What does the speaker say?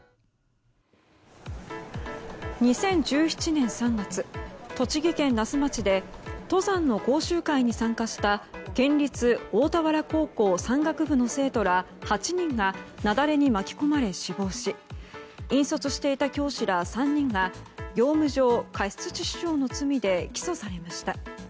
２０１７年３月栃木県那須町で登山の講習会に参加した県立大田原高校山岳部の生徒ら８人が雪崩に巻き込まれ死亡し引率していた教師ら３人が業務上過失致死傷の罪で起訴されました。